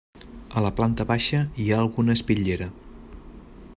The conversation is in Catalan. A la planta baixa, hi ha alguna espitllera.